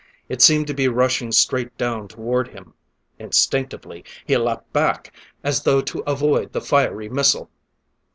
It seemed to be rushing straight down toward him; instinctively he leaped back, as though to avoid the fiery missile.